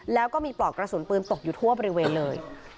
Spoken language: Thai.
แล้วก็มีปลอกกระสุนปืนตกอยู่ทั่วบริเวณเลย